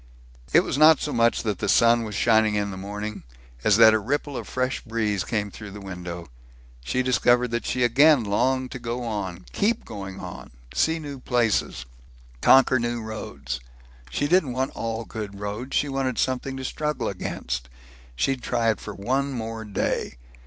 It was not so much that the sun was shining, in the morning, as that a ripple of fresh breeze came through the window. She discovered that she again longed to go on keep going on see new places, conquer new roads. She didn't want all good road. She wanted something to struggle against. She'd try it for one more day.